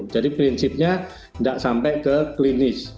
jadi prinsipnya tidak sampai ke klinis